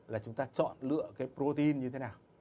là chúng ta chọn lựa cái protein như thế nào